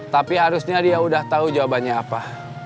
tapi harusnya dia udah tahu jawabannya apa